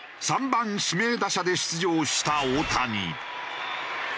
３番指名打者で出場した大谷。